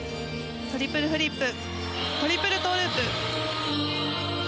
トリプルフリップトリプルトウループ。